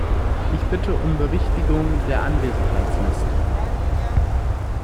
Ich bitte um Berichtigung der Anwesenheitsliste.